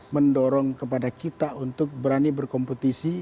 mendorong kepada kita untuk berani berkompetisi